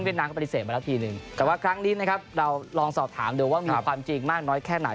แล้วครั้งนี้เราลองสอบถามดูว่ามีความจริงมากน้อยแค่ไหน